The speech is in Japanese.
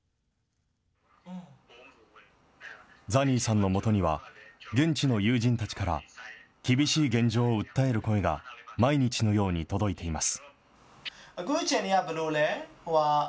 ザニーさんのもとには、現地の友人たちから厳しい現状を訴える声が毎日のように届いています。